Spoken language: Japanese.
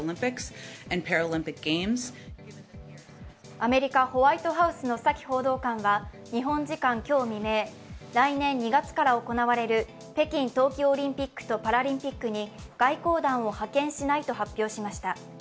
アメリカ・ホワイトハウスのサキ報道官は日本時間今日未明、来年２月から行われる北京冬季オリンピックとパラリンピックに外交団を派遣しないと発表しました。